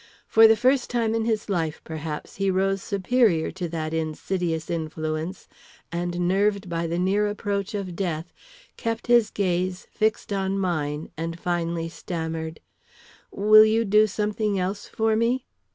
For the first time in his life, perhaps, he rose superior to that insidious influence, and, nerved by the near approach of death, kept his gaze fixed on mine, and finally stammered: "Will you do some thing else for me?"